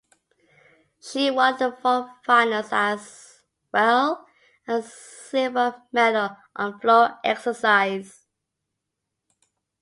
She won the vault finals as well a silver medal on floor exercise.